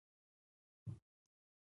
د شلغم شیره د ټوخي لپاره وکاروئ